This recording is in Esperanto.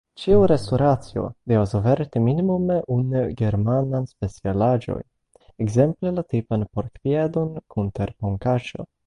Ĉiu restoracio devas oferti minimume unu germanan specialaĵon, ekzemple la tipan porkpiedon kun terpomkaĉo.